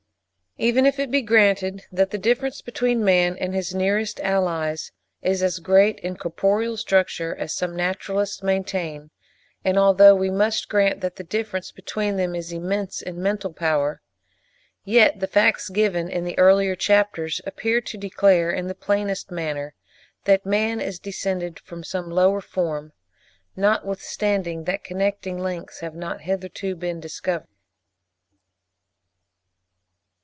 Even if it be granted that the difference between man and his nearest allies is as great in corporeal structure as some naturalists maintain, and although we must grant that the difference between them is immense in mental power, yet the facts given in the earlier chapters appear to declare, in the plainest manner, that man is descended from some lower form, notwithstanding that connecting links have not hitherto been discovered.